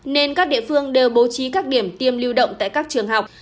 nên các địa phương đều bố trí các điểm tiêm lưu động tại các trường học